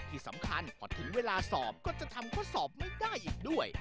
ที่สำคัญพอถึงเวลาสอบก็จะทำข้อสอบไม่ได้อีกด้วย